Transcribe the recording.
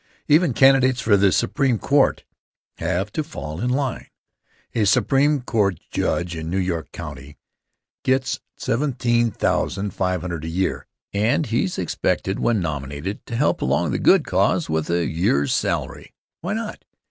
Even candidates for the Supreme Court have to fall in line. A Supreme Court Judge in New York County gets $17,500 a year, and he's expected, when nominated, to help along the good cause with a year's salary. Why not?